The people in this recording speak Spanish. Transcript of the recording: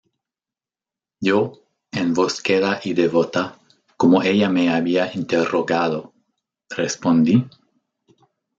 yo, en voz queda y devota, como ella me había interrogado, respondí: